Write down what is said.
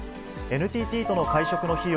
ＮＴＴとの会食の費用